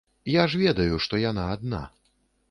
Я ж ведаю, што яна адна.